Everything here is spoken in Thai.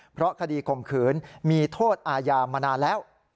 เพราะคดีข่มขืนมีโทษอาญามานานแล้ว